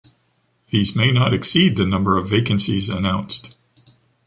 These may not exceed the number of vacancies announced.